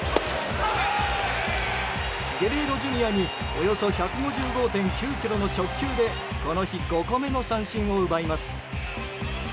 ゲレーロＪｒ．におよそ１５５．９キロの直球でこの日５個目の三振を奪います。